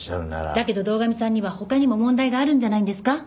だけど堂上さんには他にも問題があるんじゃないんですか？